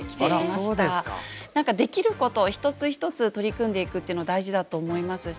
何かできることを一つ一つ取り組んでいくっていうのは大事だと思いますし。